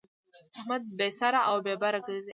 احمد بې سره او بې بره ګرځي.